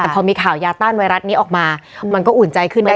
แต่พอมีข่าวยาต้านไวรัสนี้ออกมามันก็อุ่นใจขึ้นนะ